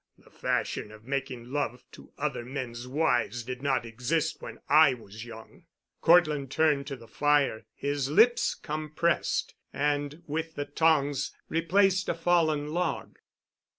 The fashion of making love to other men's wives did not exist when I was young." Cortland turned to the fire, his lips compressed, and with the tongs replaced a fallen log.